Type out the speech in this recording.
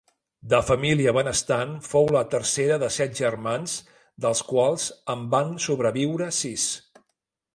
De família benestant, fou la tercera de set germans, dels quals en van sobreviure sis.